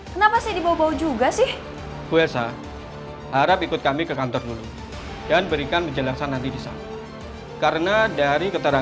kenapa saya harus ikut ke kantor polisi saya gak mau